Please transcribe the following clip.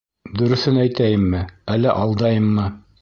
Дөрөҫөн әйтәйемме, әллә алдайыммы?